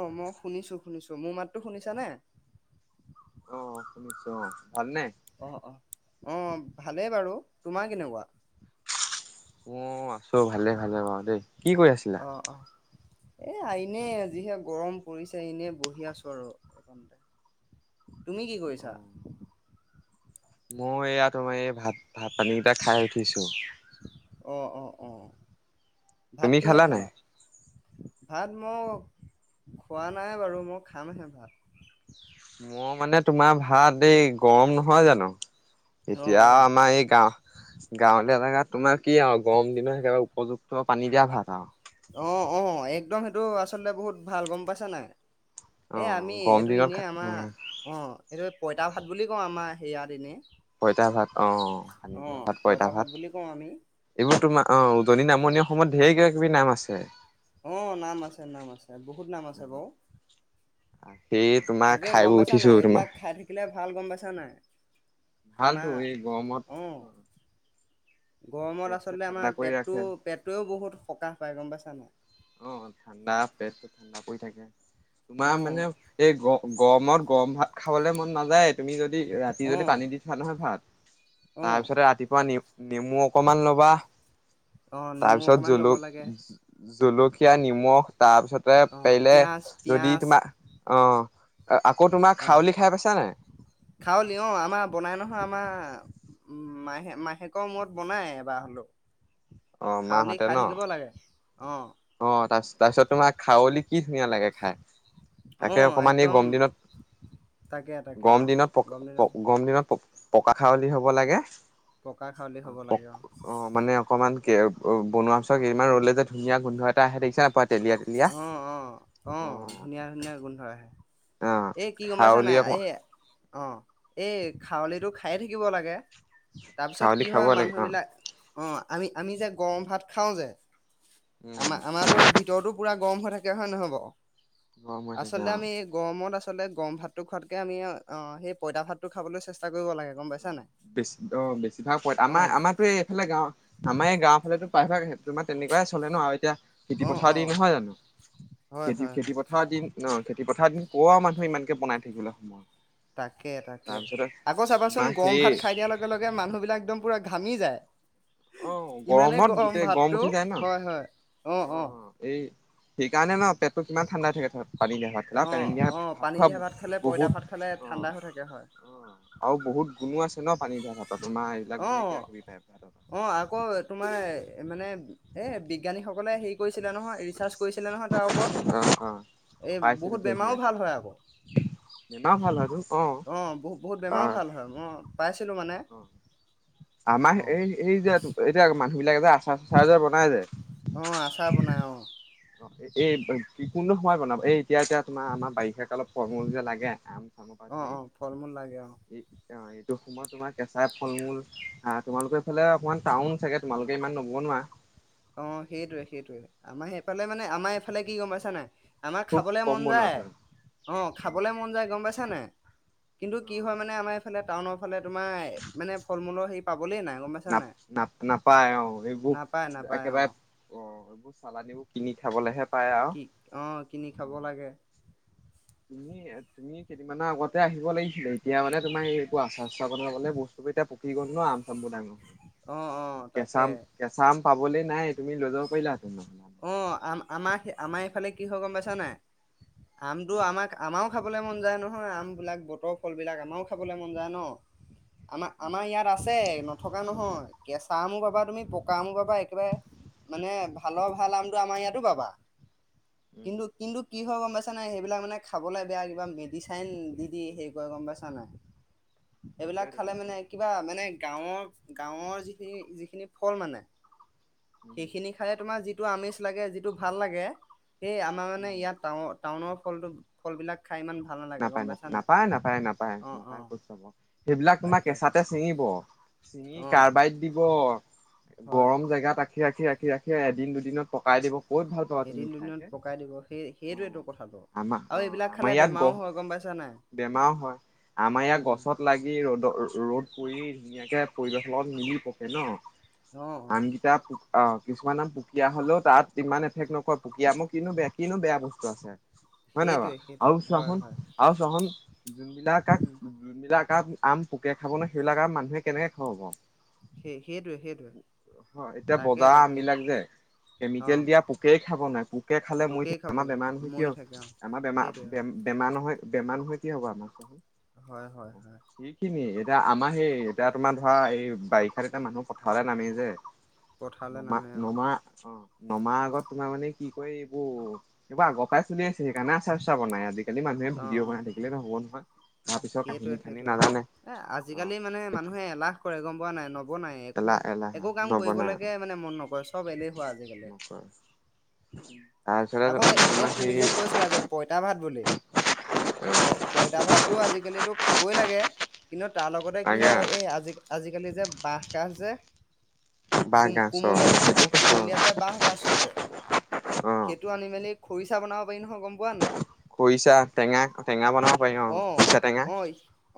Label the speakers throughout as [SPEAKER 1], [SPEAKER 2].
[SPEAKER 1] অ', মই শুনিছোঁ, শুনিছোঁ মোৰ মাততো শুনিছানে?
[SPEAKER 2] অ', শুনিছোঁ অ', ভালনে?
[SPEAKER 1] অ', অ', অ', ভালেই বাৰু, তোমাৰ কেনেকুৱা?
[SPEAKER 2] অ', আছোঁ ভালে, ভালে বাৰু দেই কি কৰি আছিলা?
[SPEAKER 1] এইয়া ইনে যিহে গৰম পৰিছে এনেই বহি আছোঁ আৰু এ [unintelligible] তুমি কি কৰিছা?
[SPEAKER 2] মোৰ এইয়া তোমাৰ এই ভাত ভাত পানী কেইটা খাই উঠিছো
[SPEAKER 1] অ' অ' অ' ভাত
[SPEAKER 2] তুমি
[SPEAKER 1] কিহে
[SPEAKER 2] নাই?
[SPEAKER 1] খালা ভাত মই খোৱা নাই বাৰু মই খামহে ভাত
[SPEAKER 2] মই মানে তোমাৰ ভাত এই গৰম নহয় জানো
[SPEAKER 1] অ
[SPEAKER 2] এতিয়া
[SPEAKER 1] অ
[SPEAKER 2] আমাৰ এই গাওঁ গাঁৱলীয়া জেগাত তোমাৰ কি আৰু গৰম দিনত একেবাৰে উপযুক্ত পানী দিয়া ভাত আৰু
[SPEAKER 1] অ' অ' একদম সেইটো আচলতে বহুত ভাল গম পাইছা নাই
[SPEAKER 2] অ
[SPEAKER 1] এ আমি
[SPEAKER 2] গৰম
[SPEAKER 1] এইটো
[SPEAKER 2] দিনত
[SPEAKER 1] এনেই আমাৰ অ' এইটো পইতা ভাত বুলি কওঁ আমাৰ সেয়াত এনেই
[SPEAKER 2] পঁইতা ভাত অ পানি দিয়া ভাত পঁইতা ভাত
[SPEAKER 1] বুলি কওঁ আমি।
[SPEAKER 2] এইবোৰ তোমাৰ অ' উজনি নামনিৰ অসময়ত ঢেৰ কিবা কিবি নাম আছে
[SPEAKER 1] আহ নাম আছে নাম আছে বহুত নাম আছে বও
[SPEAKER 2] [inaudible] তোমাৰ
[SPEAKER 1] তাকে
[SPEAKER 2] খাই
[SPEAKER 1] গম
[SPEAKER 2] বৈ
[SPEAKER 1] পাইছা
[SPEAKER 2] উঠিছো
[SPEAKER 1] নাই
[SPEAKER 2] তোমাৰ
[SPEAKER 1] এইবিলাক খাই থাকিলে ভাল গম পাইছা নাই,
[SPEAKER 2] ভালতো
[SPEAKER 1] আমাৰ
[SPEAKER 2] এই গৰমত অ'
[SPEAKER 1] গৰমত আচলতে আমাৰ পেটটো পেটটোৱেও বহুত সকাহ পাই গম পছ নে
[SPEAKER 2] অ', ঠাণ্ডা পেটটো ঠাণ্ডা পৰি থাকে তোমাৰ
[SPEAKER 1] অ
[SPEAKER 2] মানে এই গ গৰমত গৰম ভাত খাবলে মন নাযায়। তুমি যদি ৰাতি
[SPEAKER 1] অ
[SPEAKER 2] যদি পানী দি থোৱা নহয় ভাত
[SPEAKER 1] অ
[SPEAKER 2] তাৰপিছতে ৰাতিপুৱা নিও নেমু অকমান ল'বা
[SPEAKER 1] অ নেমু
[SPEAKER 2] তাৰপিছত
[SPEAKER 1] অকণমান ল'ব
[SPEAKER 2] জলক
[SPEAKER 1] লাগে
[SPEAKER 2] জলকীয়া নিমখ তাৰপিছতে
[SPEAKER 1] অ
[SPEAKER 2] পাৰলে
[SPEAKER 1] পিঁয়াজ
[SPEAKER 2] যদি
[SPEAKER 1] পিঁয়াজ
[SPEAKER 2] তোমাৰ অ', [inaudible] তোমাৰ খাৱলি খাই পাইছা নাই
[SPEAKER 1] অ' খাৱলি অ' আমাৰ বনাই নহয় আমাৰ উম, বমাহে-মাহেকৰ মূৰত বনাই এবাৰ হলেও।
[SPEAKER 2] অ'
[SPEAKER 1] খাৱলি
[SPEAKER 2] মাহতে
[SPEAKER 1] খাই
[SPEAKER 2] ন
[SPEAKER 1] থাকিব লাগে অ
[SPEAKER 2] অ' তা-তাৰপিছত তোমাৰ খাৱলী কি ধুনীয়া লাগে খাই।
[SPEAKER 1] অ
[SPEAKER 2] তাকে অকমান এই
[SPEAKER 1] একদম
[SPEAKER 2] গম দিনত,
[SPEAKER 1] তাকে তাকে
[SPEAKER 2] গম
[SPEAKER 1] অ
[SPEAKER 2] দিনত,
[SPEAKER 1] গম
[SPEAKER 2] প
[SPEAKER 1] দিনত
[SPEAKER 2] গম দিনত। পকা খাৱলি হ'ব লাগে।
[SPEAKER 1] পকা খাৱলি হ'ব লাগে আ,
[SPEAKER 2] অ মানে অকমান কে বনোৱা ইমান ৰ'লে যে ধুনীয়া গোধ এটা আহে দেখিছা, তেলীয়া তেলীয়া।
[SPEAKER 1] অ-অ-অ
[SPEAKER 2] অ
[SPEAKER 1] ধুনীয়া-ধুনীয়া গোন্ধই।
[SPEAKER 2] অ' খাউলী
[SPEAKER 1] এই অ, এই খাৱলিটো খাইয়ে থাকিব লাগে। তাৰপিছত
[SPEAKER 2] খাৱলী
[SPEAKER 1] কি
[SPEAKER 2] খাব
[SPEAKER 1] হয়
[SPEAKER 2] লাগে অ',
[SPEAKER 1] মানুহবিলাক অ, আমি-আমি যে গৰম ভাত খাও যে।
[SPEAKER 2] উম
[SPEAKER 1] আমাৰ আমাতো ভিতৰতো পুৰা গৰম হৈ থাকে হয় ন নহয় বাৰু।
[SPEAKER 2] গৰম হৈ থাকে
[SPEAKER 1] আচলতে
[SPEAKER 2] অ।
[SPEAKER 1] আমি গৰমত আ আচলতে গৰম ভাতটো খোৱাতকে আমি অ সেই পঁইতা ভাতটো খাবলৈ চেষ্টা ক
[SPEAKER 2] বেছি অ বেছিভাগ পঁই
[SPEAKER 1] অ
[SPEAKER 2] আমাৰ আমাৰো এইফালে গাওঁ আমাৰ এই গাওঁৰ ফালেতো পাইভাগ তোমাৰ তেনেকুৱাই চলে ন আৰু এতিয়া খেতি
[SPEAKER 1] অ
[SPEAKER 2] পথাৰ
[SPEAKER 1] অ
[SPEAKER 2] দিন নহয় জানো?
[SPEAKER 1] হয় হয়
[SPEAKER 2] খেতি-খেতি
[SPEAKER 1] হয়
[SPEAKER 2] পথাৰ দিন ন? খেতি পথাৰ দিন ক আৰু মানুহ ইমানকে বনাই থাকিলে সময়
[SPEAKER 1] তাকে-তাকে
[SPEAKER 2] তাৰপিছতে
[SPEAKER 1] আকৌ চাব কোৱাচোন
[SPEAKER 2] তোমাৰ
[SPEAKER 1] গৰম
[SPEAKER 2] সেই
[SPEAKER 1] ভাত খাই দিয়াৰ লগে মানুহবাক একদম পুৰা ঘামি যায়।
[SPEAKER 2] অ,
[SPEAKER 1] ইমানেই
[SPEAKER 2] গৰমত গোটেই গৰম
[SPEAKER 1] ভাতটো
[SPEAKER 2] উঠি যায় ন,
[SPEAKER 1] হয় হয় অ অ
[SPEAKER 2] অ-অ এই সেইকাৰণে ন পেটটো কিমান ঠাণ্ডা থাকে তাত পানী দিয়া ভাত খেলা
[SPEAKER 1] অ
[SPEAKER 2] পানী দিয়া
[SPEAKER 1] অ
[SPEAKER 2] ভাত
[SPEAKER 1] পানী
[SPEAKER 2] খোৱা
[SPEAKER 1] দিয়া খালে পইতা
[SPEAKER 2] বহুত
[SPEAKER 1] ভাত খালে
[SPEAKER 2] অ
[SPEAKER 1] ঠাণ্ডা হৈ থাকে হয়
[SPEAKER 2] আৰু বহুত গুণো আছ পানী দিয়া ভাতত নাই এইবিলাক
[SPEAKER 1] অ
[SPEAKER 2] ধেই কিবা কিবি পাই ভাতত-
[SPEAKER 1] অ, আকৌ তোমাৰ মানে এ বিজ্ঞানীসকলে হেৰি কৰিছ ছিলে নহয় ৰিচাৰ্ছ কৰিছিলে নহয়, তাৰ ওপৰত
[SPEAKER 2] অ' অ'
[SPEAKER 1] এ
[SPEAKER 2] পাইছিলোঁ
[SPEAKER 1] বহুত
[SPEAKER 2] ধেৰ
[SPEAKER 1] বেমাও
[SPEAKER 2] কিবা
[SPEAKER 1] ভাল
[SPEAKER 2] কিবি
[SPEAKER 1] হয় আক
[SPEAKER 2] বেমাৰ ভাল হয়তো
[SPEAKER 1] অ বহুত বেমাও
[SPEAKER 2] অ'
[SPEAKER 1] ভাল হয়। উম পাইচ
[SPEAKER 2] অ, আমা
[SPEAKER 1] অ
[SPEAKER 2] এই সেই যে এতিয়া মানুহ [unintelligible] চ চাৰ্জাৰ বনাই যে?
[SPEAKER 1] অ আচাৰ বনাই অ
[SPEAKER 2] অ, এই কি কোনটো সময় বনাব এই এতিয়া এতিয়া তোমাৰ আমাৰ বাৰিষাকালত ফলমূল যে লাগে আম চামৰ পৰা
[SPEAKER 1] অ
[SPEAKER 2] ধৰি
[SPEAKER 1] অ ফল মূল লাগে অ
[SPEAKER 2] এইটো সময়ত তোমাৰ কেঁচা ফল মূল আহ তোমালোকৰ এইফালে অকমান টাউন চাগে তোমালোকে ইমান নবনোৱা
[SPEAKER 1] অ, সেইটোৱে সেইটোৱে আমাৰ সেইফালে মানে আমাৰ এইফালে কি গম পাইছা নাই? আমাৰ
[SPEAKER 2] খুব
[SPEAKER 1] খাবলে
[SPEAKER 2] কম
[SPEAKER 1] মন
[SPEAKER 2] বনোৱা
[SPEAKER 1] যায়।
[SPEAKER 2] চাগে
[SPEAKER 1] অ, খাবলৈ মন যায় গম পাইছা নাই কিন্তু
[SPEAKER 2] অ
[SPEAKER 1] কি হয় মানে আমাৰ ফেলে টাউন ফালে তোমাই মানে ফলমূল হেৰি পা [unintelligible]
[SPEAKER 2] নাপ-নাপ নাপায় অ' এইবোৰ
[SPEAKER 1] নাপায় নাপায় অ
[SPEAKER 2] একেবাৰে অ এইবোৰ চালানীও কিনি খাবলেহে পায় আৰু
[SPEAKER 1] কি অ কিনি
[SPEAKER 2] অ
[SPEAKER 1] খাব লাগে
[SPEAKER 2] তুমি, তুমি কেইদিনমানৰ আগতে আহিব লাগিছিলে। এতিয়া মানে তোমাৰ এই একো আচাৰ চচাৰ বনাবলৈ [unintelligible] চব এটা পকি গ'ল ন আম চামবোৰ ডাঙৰ৷
[SPEAKER 1] অ অ
[SPEAKER 2] কেঁচা
[SPEAKER 1] তাকে
[SPEAKER 2] আম-কেঁচা আম, পাবলৈ নাই তুমি লৈ যাব পাৰিলা হেতেন।
[SPEAKER 1] অ' আম আমাৰ-আমাৰ এইফালে কিহ গম পাইছা নাই? আমটো
[SPEAKER 2] উম
[SPEAKER 1] আমাৰ আমাও। খাবলৈ মন যায় নহয়, আম বিলাক বতৰ ফল বিলাক আমাৰো খাবলে মন যায় ন। আম আমাৰ
[SPEAKER 2] উম
[SPEAKER 1] ইয়াত আছে। নথকা নহয় কেঁচা আমও পাবা, তুমি পকা আমও পাবা। একেবাৰে মানে ভালৰ-ভাল। ভাল নামটো আমাৰ ইয়াতো পাবা।
[SPEAKER 2] উম
[SPEAKER 1] কিন্তু- কিন্তু কি হব? নাই সেইবিলাক মানে খাবলৈ বেয়া কিবা মেডিচাই, দি দি শেষ হৈ, গম পাইছ নাই। এইবিলাক
[SPEAKER 2] তাকেইতো
[SPEAKER 1] খালে মানে
[SPEAKER 2] তাকেইতো
[SPEAKER 1] কিবা মানে ভাল লাগে। গাঁৱৰ, গাঁৱৰ যিখিনি, যিখিনি ফল মানে
[SPEAKER 2] উম
[SPEAKER 1] সেইখিনি খালে তোমাৰ যি ভাল পাবা। যিটো আমেজ লাগে, যিটো ভাল লাগে। সেই আমাৰ মানে
[SPEAKER 2] উম
[SPEAKER 1] ইয়াত টা টাউনৰ পৰা অনা হয়। ফলটো ফল বিলাক
[SPEAKER 2] নাপায় -নাপায় - নাপায় -
[SPEAKER 1] অ অ
[SPEAKER 2] নাপায় খ চাব। সেইবিলাক তোমাৰ
[SPEAKER 1] তাকে
[SPEAKER 2] কেঁচাতে
[SPEAKER 1] তাকে
[SPEAKER 2] চিঙিব, চিঙি
[SPEAKER 1] অ
[SPEAKER 2] কাৰ্বাইট দিব
[SPEAKER 1] হয়
[SPEAKER 2] গৰম জেগাত ৰাখিব। ৰাখি -ৰাখি -ৰাখি -ৰাখি এদিন দুদিনত পকাই দিব। ক'ত ভাল পাবা তুমি
[SPEAKER 1] এদিন
[SPEAKER 2] খাই
[SPEAKER 1] দুদিনত
[SPEAKER 2] হে
[SPEAKER 1] পকাই দিব সেই
[SPEAKER 2] অ
[SPEAKER 1] সেইটো এইটো কথাটো
[SPEAKER 2] আমাৰ অ
[SPEAKER 1] আৰু এইবিলাক
[SPEAKER 2] আমাৰ
[SPEAKER 1] খালে
[SPEAKER 2] ইয়াত
[SPEAKER 1] বেমাৰো
[SPEAKER 2] গহ
[SPEAKER 1] হয়। গম পাইছা নাই
[SPEAKER 2] বেমাৰ হয়। আমাৰ ইয়াত
[SPEAKER 1] উম
[SPEAKER 2] গছত লাগি ৰ'দত ৰ'দ কৰি ধুনীয়াকে পৰিৱেশত মিলি পকে ন।
[SPEAKER 1] অ অ
[SPEAKER 2] আমকেইটা অ', কিছুমান আাম পুকীয়া হলেও তাত ইমান এফেক্ট নহয়। পোকীয়া বোৰ কিনো বেয়া, কিনো বেয়া বস্তু আছে। হয় ন
[SPEAKER 1] সেইটোৱে
[SPEAKER 2] বাৰু
[SPEAKER 1] সেইটোৱে
[SPEAKER 2] আৰু
[SPEAKER 1] হয়
[SPEAKER 2] চাহোন।
[SPEAKER 1] হয়
[SPEAKER 2] আৰু ছখন জিলা কাক।
[SPEAKER 1] উম
[SPEAKER 2] জানিলা ক আম পোকে খাব ন, সেইবিলাক আৰু মানুহে কেনেকৈ খাব পাৰ?
[SPEAKER 1] সেই, সেইটোৱে সেইটোৱে
[SPEAKER 2] এতিয়া
[SPEAKER 1] তাকে
[SPEAKER 2] বজাৰ
[SPEAKER 1] তাকে
[SPEAKER 2] আমবলাক যে
[SPEAKER 1] অ
[SPEAKER 2] কেমিকেল দিয়া পোকে খাব নোৱাৰে, পোকে খালে মৰি
[SPEAKER 1] পোকেই খাব
[SPEAKER 2] থাকে। আমাৰ
[SPEAKER 1] নোৱাৰে
[SPEAKER 2] বেমাৰ নহয়,
[SPEAKER 1] মৰি থাকে অ
[SPEAKER 2] কিয় আমাৰ বেমাৰ-
[SPEAKER 1] সেইটোৱে অ
[SPEAKER 2] বেমাৰ নহয়। বেমাৰ নহয় কি হ'ব আমাৰ খালে।
[SPEAKER 1] হয় হয় হয়।
[SPEAKER 2] এতিয়া আমাৰ সেই এতিয়া তোমাৰ ধৰা এই বাৰিষাত এতিয়া মানুহ পথাৰতে নামি যে
[SPEAKER 1] পথাৰলৈ
[SPEAKER 2] নমা
[SPEAKER 1] নামে অ
[SPEAKER 2] নমা অ। নমাৰ আগত তোমাৰ মানে কি কয় এইবোৰ, এইবোৰ আগৰ পৰাই চলি আছে সেইকাৰণে আচাৰ-চাচাৰ বনাই আজি
[SPEAKER 1] অ অ
[SPEAKER 2] তাৰ পিছৰ কাহিনী
[SPEAKER 1] সেইটোৱে
[SPEAKER 2] খানি
[SPEAKER 1] সেইটোৱে।
[SPEAKER 2] নাজানে
[SPEAKER 1] এ
[SPEAKER 2] অ
[SPEAKER 1] আজি-কালি মানে মানুহে এলাহ কৰে গম পোৱা নে নাই নবনা ন একো
[SPEAKER 2] এলাহ এলাহ
[SPEAKER 1] একো কাম
[SPEAKER 2] নবনাই
[SPEAKER 1] কৰিবলৈকে মানে মন নকৰে চব এলেই হুৱা আজিকালি
[SPEAKER 2] নকৰে
[SPEAKER 1] উ
[SPEAKER 2] তাৰপিছতে
[SPEAKER 1] আকৌ এ
[SPEAKER 2] তোমাৰ
[SPEAKER 1] তুমি
[SPEAKER 2] সেই
[SPEAKER 1] যে কৈছিলা যে পঁইতা ভাত বুলি প পইতা ভাততটো আজিকালিতো খাবই লাগে কিন্তু তাৰ লগতে কি
[SPEAKER 2] বাগা
[SPEAKER 1] হয় এই আজি আজিকালি যে বাঁহ কাজ যে কম
[SPEAKER 2] বাঁহগাজ চব
[SPEAKER 1] কোমলীয়া
[SPEAKER 2] সেইটো
[SPEAKER 1] অ'
[SPEAKER 2] কৈছো
[SPEAKER 1] কুমলীয়া যে বাহ গাজটো যে
[SPEAKER 2] অ
[SPEAKER 1] সেইটো আনি মেলি খৰিচা বনাব পাৰি নহয় গম পোৱা নাই?
[SPEAKER 2] খৰিচা টেঙা টেঙা বনাব পাৰি
[SPEAKER 1] অ
[SPEAKER 2] খৰিচা টেঙা
[SPEAKER 1] আহ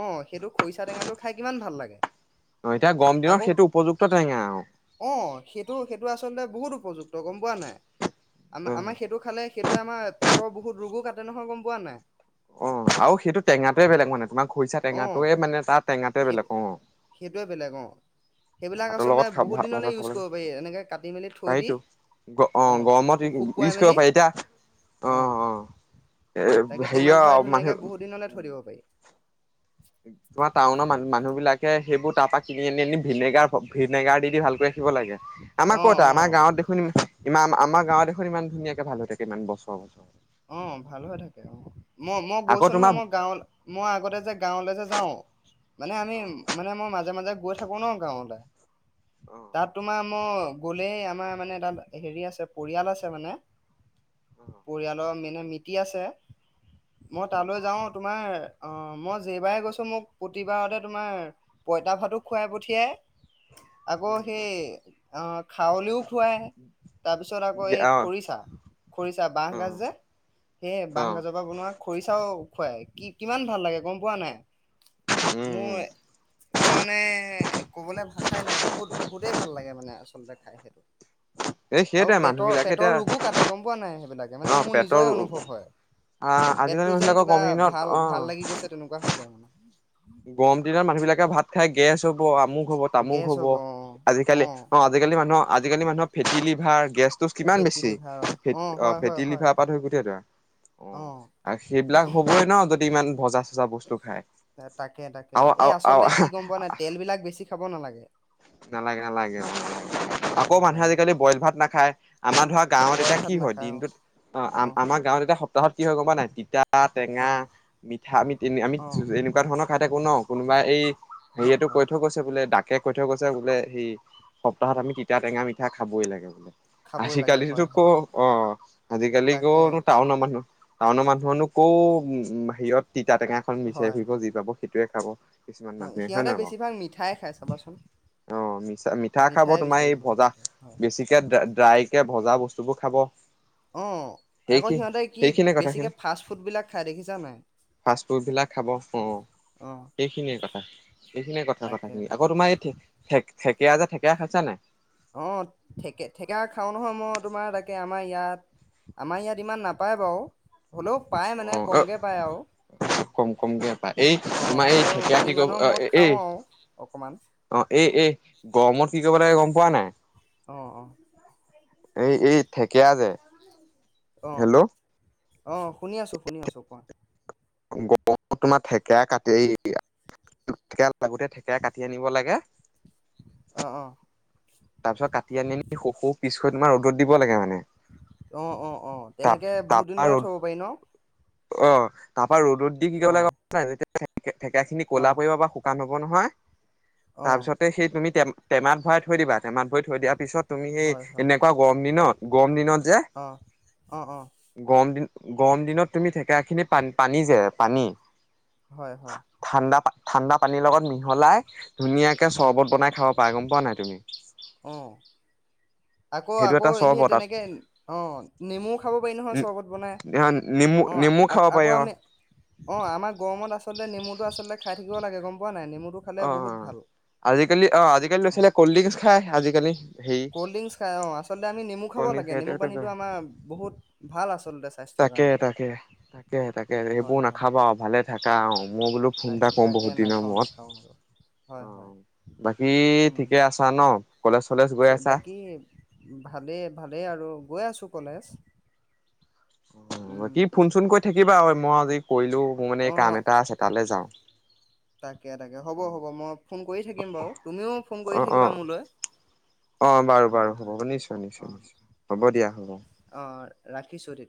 [SPEAKER 1] অ সেইটো খৰিচা টেঙাটো খাই কিমান ভাল লাগে
[SPEAKER 2] অ' এতিয়া গৰম দিনত
[SPEAKER 1] আকৌ
[SPEAKER 2] সেইটো উপযুক্ত টেঙা আৰু।
[SPEAKER 1] অ সেইটো সেইটো আচলতে বহুত উপযুক্ত গম পোৱা নাই আম
[SPEAKER 2] অ
[SPEAKER 1] আমাৰ সেইটো খালে সেই ত আমাৰ পেটৰ বহুত ৰোগো কাটে নহয় গম পোৱা নাই
[SPEAKER 2] অ আৰু সেইটো টেঙাটোৱে বেলেগ মানে তোমাৰ খুৰিচা
[SPEAKER 1] অ
[SPEAKER 2] টেঙাটয়ে মানে তাৰ টেঙাটয়ে
[SPEAKER 1] সেই
[SPEAKER 2] বেলেগ অ
[SPEAKER 1] সেইটোৱে বেলেগ অ সেইবিলাক
[SPEAKER 2] ভাতৰ
[SPEAKER 1] আচলতে
[SPEAKER 2] লগত খাব
[SPEAKER 1] বহুত
[SPEAKER 2] ভ
[SPEAKER 1] দিনলৈ
[SPEAKER 2] ভাতৰ
[SPEAKER 1] ইউজ
[SPEAKER 2] খাবলৈ
[SPEAKER 1] কৰিব পাৰি এনেকে কাটি মেলি থৈ দি
[SPEAKER 2] পাৰিতো অ' গৰমত ই
[SPEAKER 1] শুকুৱাই
[SPEAKER 2] ইউজ
[SPEAKER 1] মেলি
[SPEAKER 2] কৰিব পাৰি এতিয়া অ' অ'। এ
[SPEAKER 1] তাকে
[SPEAKER 2] হেৰিয়
[SPEAKER 1] টেমাত ভৰাই
[SPEAKER 2] মানুহ
[SPEAKER 1] ধুনীয়াকে বহুত দিনলৈ থৰি দব পাৰি
[SPEAKER 2] তোমাৰ টাউনৰ ম মানুহ বিলাকে সেইবোৰ তাৰ পৰাা কিনি আনি আনি ভিনেগাৰ ভিনেগাৰ দি দি ভালকৈ ৰাখিব লাগে আমাৰ
[SPEAKER 1] অ
[SPEAKER 2] ক'তটা
[SPEAKER 1] অ
[SPEAKER 2] আমাৰ গাঁৱত দেখোন ইমান আমাৰ গাঁৱত দেখোন ইমান ধুনীয়াাক ভাল হৈ থাকে ইমান বছৰ বছৰ
[SPEAKER 1] অ' ভাল হৈ থাকে, অ' মই মই
[SPEAKER 2] আকৌ
[SPEAKER 1] গৈছো নহয়
[SPEAKER 2] তোমাৰ
[SPEAKER 1] মই গাঁৱ মই আগতে যে গাঁৱলে যে যাওঁ মানে আমি
[SPEAKER 2] অ
[SPEAKER 1] মানে মোৰ মাজে মাজে গৈ থাকো ন গাঁৱতে
[SPEAKER 2] অ
[SPEAKER 1] তাত তোমাৰ ম গলেই আমাৰ মানে তাত হেৰি আছে পৰিয়াল আছে মানে
[SPEAKER 2] অ
[SPEAKER 1] পৰিয়াল মিটি আছে মই
[SPEAKER 2] উম
[SPEAKER 1] তালৈ যাও তোমাৰ অ' মই যেবাৰে গৈছো মোক প্ৰতিবাৰতে তোমাৰ পঁইতা ভাতো খুৱাই পঠিয়াই আকৌ
[SPEAKER 2] উম
[SPEAKER 1] সেই আহ খাৱলিও খুৱাই তাৰপিছত আকৌ
[SPEAKER 2] দিয়া
[SPEAKER 1] এই
[SPEAKER 2] অ
[SPEAKER 1] খৰিচা খৰিচা
[SPEAKER 2] অ
[SPEAKER 1] বাঁহগাজ যে, হে
[SPEAKER 2] অ
[SPEAKER 1] বাঁহ গাজৰ পৰা বনোৱা খৰিচা খুৱাই কি-কিমান ভাল লাগে গম পোৱা নাই?
[SPEAKER 2] উম
[SPEAKER 1] মোৰ,
[SPEAKER 2] উম
[SPEAKER 1] মোৰ মানে ক'বলে ভাষাই নাই বহুত, বহুতেই ভাল লাগে মানে আচ [unintelligible] খায় সেইটো
[SPEAKER 2] এই
[SPEAKER 1] আৰু
[SPEAKER 2] সেইটোৱে মানুহ
[SPEAKER 1] পেটৰ,
[SPEAKER 2] বিলাকে
[SPEAKER 1] পেটৰ
[SPEAKER 2] এতিয়া
[SPEAKER 1] ৰোগো কাটে গম পোৱা নাই? সেইবিলাকে মানে
[SPEAKER 2] অ
[SPEAKER 1] মোৰ নিজ
[SPEAKER 2] পেটৰ
[SPEAKER 1] নিজৰে অনুভৱ হয়,
[SPEAKER 2] আহ আজিকালি
[SPEAKER 1] পেটটো যেন
[SPEAKER 2] মানুহবিলাকৰ
[SPEAKER 1] কিবা
[SPEAKER 2] কমিনত
[SPEAKER 1] ভাল, ভাল
[SPEAKER 2] অ
[SPEAKER 1] লাগি গৈছে তেনেকুৱা হৈ যায় মানে।
[SPEAKER 2] গৰম দিনত মানুহ বিলাকে ভাত খাই গেছ হ'ব অমুক হ'ব, তামুক
[SPEAKER 1] গেছ
[SPEAKER 2] হ'ব
[SPEAKER 1] অ
[SPEAKER 2] আজিকালি অ', আজিকালি মানুহৰ, আজিকালি মানুহ ফেটি লিভাৰ, গেছ ট'চ কিমান
[SPEAKER 1] ফেটি
[SPEAKER 2] বেছি
[SPEAKER 1] লিভাৰ অ
[SPEAKER 2] ফে, অ',
[SPEAKER 1] হয় হয়
[SPEAKER 2] ফেটি
[SPEAKER 1] হয়
[SPEAKER 2] লিভাৰৰ পৰা ধৰি গোটেই বোৰ আৰু অ', আৰু সেইবিলাক হ'বই ন, যদি ইমান ভজা চজা বচ টো খায়
[SPEAKER 1] তাকে, তাকে এই
[SPEAKER 2] আৰু
[SPEAKER 1] আচলতে কি গম পোৱা নাই? তেল বিলাক বেছি খাব নালাগে।
[SPEAKER 2] নালাগে, নালাগে আকৌ
[SPEAKER 1] নালাগে
[SPEAKER 2] মানুহে
[SPEAKER 1] অ
[SPEAKER 2] আজিকালি বইল ভাত নাখায়, আমাৰ ধৰা গাঁৱত
[SPEAKER 1] বইল
[SPEAKER 2] এতিয়া
[SPEAKER 1] ভাত
[SPEAKER 2] কি হয়,
[SPEAKER 1] নাখায় অ
[SPEAKER 2] দিনটোত অ', আমাৰ গাঁৱত এতিয়া স হত কি হয়, গম নাই তিতা তা, টেঙা,
[SPEAKER 1] অ
[SPEAKER 2] মিঠা আমি, আমি
[SPEAKER 1] অ অ
[SPEAKER 2] এনেকুৱা ধৰণৰ খাই থাকো ন, কোনোবাই এই
[SPEAKER 1] হয়
[SPEAKER 2] হেৰিয়েটো
[SPEAKER 1] হয়
[SPEAKER 2] কৈ থৈ গৈছে বোলে ডাক [unintelligible] [unintelligible] গৈছে বোলে সেই সপ্তাহত আমি তিতা, টেঙা, মিঠা খাবই লাগে বোলে।
[SPEAKER 1] খাবই লাগে
[SPEAKER 2] আজিকালিতো
[SPEAKER 1] হয়
[SPEAKER 2] ক'ৰ
[SPEAKER 1] হয়
[SPEAKER 2] অ', আজিকালিতো
[SPEAKER 1] তাকে
[SPEAKER 2] ক'ৰনো টাউনৰ মানুহ। টাউনৰ মানুহৰনকো উ সিহত তিতা টেঙাখন মিচাই ফুৰিব যি পাব, সেইটোৱে খাব কিছুমান
[SPEAKER 1] হয়
[SPEAKER 2] মানুহে
[SPEAKER 1] সিহঁতে
[SPEAKER 2] নহয় বাৰু
[SPEAKER 1] বেছিভাগ মিঠাই খাই চাবাচোন
[SPEAKER 2] অ' মিছা মিঠা খাব
[SPEAKER 1] মিঠাই
[SPEAKER 2] তোমাৰ
[SPEAKER 1] বিচাৰি
[SPEAKER 2] এই
[SPEAKER 1] ফুৰে
[SPEAKER 2] ভজা
[SPEAKER 1] সিহঁতে হয়
[SPEAKER 2] বেছিকে ড্ৰাই কে ভজা বস্তু বোৰ খাব
[SPEAKER 1] অ' আকৌ
[SPEAKER 2] সেইখি
[SPEAKER 1] সিহঁতে কি
[SPEAKER 2] সেইখিনিয়ে
[SPEAKER 1] বেছিকে
[SPEAKER 2] কথাখিনি
[SPEAKER 1] ফাষ্ট ফুডবিলাক খাই দেখিছা নাই
[SPEAKER 2] ফাষ্ট ফুড বিলাক খাব অ
[SPEAKER 1] অ [inaudible]
[SPEAKER 2] সেইখিনিয়ে কথা কথা
[SPEAKER 1] তাকে
[SPEAKER 2] খখিনি আকৈ
[SPEAKER 1] তাকে
[SPEAKER 2] তোমাৰ এই থ ঠেকীয়া যে ঠেকীয়া খাইছা নে
[SPEAKER 1] অ' ঠেকীয়া খাওঁ নহয় মই তোমাৰ তাকে আমাৰ ইয়াত আমাৰ ইয়াত ইমান নাপায় বাৰু হ'লেও পায় মানে
[SPEAKER 2] অ' অ'
[SPEAKER 1] কমকে পায় আৰু
[SPEAKER 2] কম কমকে পা এই
[SPEAKER 1] অ
[SPEAKER 2] তোমাৰ এই
[SPEAKER 1] হ'লেও
[SPEAKER 2] কি ক
[SPEAKER 1] কেইদিনমানৰ মূৰত খাওঁ
[SPEAKER 2] এই
[SPEAKER 1] আৰু অকমান
[SPEAKER 2] অ এই এই গৰমত কি ক প লাগে গম গম পোৱা নাই
[SPEAKER 1] অ' অ'।
[SPEAKER 2] এই এই ঢেকিয়া যে।
[SPEAKER 1] অ
[SPEAKER 2] হেল্ল'।
[SPEAKER 1] অ' শুনি আছো শুনি আছো কোৱা।
[SPEAKER 2] গম তোমাৰ থেকেৰা কাটি দিয়া লাগোতে থেকেৰা কাটি আনিব লাগে।
[SPEAKER 1] অ অ
[SPEAKER 2] তাৰ পিছত কাটি আনি সৰু সৰু পিছ। চয় দিন মান ৰ'দ দিব লাগে মানে।
[SPEAKER 1] অ' অ' অ'
[SPEAKER 2] তাপ
[SPEAKER 1] তেনেকে বহুত
[SPEAKER 2] তাপা
[SPEAKER 1] দিনলে
[SPEAKER 2] ৰ'দ
[SPEAKER 1] থব পাৰি ন।
[SPEAKER 2] অ'। তাৰপা ৰ'দত দি কি
[SPEAKER 1] অ
[SPEAKER 2] কৰিব লাগে নাই। হয় থেকেৰা খিনি
[SPEAKER 1] অ
[SPEAKER 2] কলা পৰিব বা শুকান হব। হ'ব নহয়।
[SPEAKER 1] অ
[SPEAKER 2] তাৰপিছতে সেই তুমি তেম। টেমাত ভৰাই থৈ দিবা। টেমাত ভৰি থৈ দিয়াৰ পিছত তুমি সেই
[SPEAKER 1] হয় হয়
[SPEAKER 2] এনেকুৱা গৰম দিনত। গৰম দিনত। যে
[SPEAKER 1] অ' অ' অ'।
[SPEAKER 2] গৰম দিন গৰম দিনত তুমি থেকে। পানী যে পানী।
[SPEAKER 1] হয় হয়।
[SPEAKER 2] ঠাণ্ডা ঠাণ্ডা পানীৰ লগত মিহলাই। ধুনীয়াকৈ
[SPEAKER 1] হয়
[SPEAKER 2] চৰ্বত বনাই খাব পাৰা গম পোৱা নাই তুমি।
[SPEAKER 1] অ আকৌ
[SPEAKER 2] সেইটো
[SPEAKER 1] আকৌ
[SPEAKER 2] এটা
[SPEAKER 1] সেই
[SPEAKER 2] চৰ্বত
[SPEAKER 1] তেনেক, অ' নেমুও খাব পাৰি নহয় চৰ্বত বনাই,
[SPEAKER 2] নেমু
[SPEAKER 1] অ'
[SPEAKER 2] নেমু খাব
[SPEAKER 1] আকৌ
[SPEAKER 2] পাৰি
[SPEAKER 1] আকৌ
[SPEAKER 2] অ'
[SPEAKER 1] আমি। অ' আমাৰ গৰমত আচলতে, নেমুটো আচলতে খাই থাকিব লাগে গম পোৱা নাই। নেমুটো খালে
[SPEAKER 2] অ'
[SPEAKER 1] বহুত
[SPEAKER 2] অ'
[SPEAKER 1] ভাল
[SPEAKER 2] আজিকালি অ আজিকালি ল'ৰা
[SPEAKER 1] অ
[SPEAKER 2] ছোৱালীয়ে কলড্ৰিগছ খায় আজিকালি
[SPEAKER 1] কল্ড ড্ৰিংকচ
[SPEAKER 2] হেৰি।
[SPEAKER 1] খাই অ' আচলতে আমি নেমু খাব
[SPEAKER 2] কলনিজ
[SPEAKER 1] লাগে ন।
[SPEAKER 2] গাড়ীতেটো তাকে তাকে তাকে তাকে সেইবোৰ নাখাবা আৰু ভালে থাকা আও। মই বোলো ফোন এটা কওঁ বহুত দিনৰ
[SPEAKER 1] নাখাওঁ
[SPEAKER 2] মূৰত।
[SPEAKER 1] নাখাওঁ আৰু
[SPEAKER 2] অ
[SPEAKER 1] হয় হয়
[SPEAKER 2] বাকী
[SPEAKER 1] উম।
[SPEAKER 2] ঠিকে আছা ন কলেজ চলেজ গৈ আছা
[SPEAKER 1] গৈ আছোঁ কলেজ। উম
[SPEAKER 2] কি ফোন চোন কৰি থাকিবা আৰু মই আজি কৰিলো মোৰ মানে কাম
[SPEAKER 1] অ'
[SPEAKER 2] এটা আছে তালৈ যাওঁ
[SPEAKER 1] তাকে তাকে হ'ব হ'ব মই ফোন কৰি থাকিম বাৰু তুমিও ফোন কৰি
[SPEAKER 2] অ অ
[SPEAKER 1] থাকিবা মোলৈ
[SPEAKER 2] অ বাৰু বাৰু
[SPEAKER 1] হয় হয়
[SPEAKER 2] হ'ব নিশ্চয় নিশ্চয় নিশ্চয় হ'ব
[SPEAKER 1] অ' অ'
[SPEAKER 2] দিয়া হ'ব
[SPEAKER 1] অ' অ' ৰাখিছোঁ তেতিয়া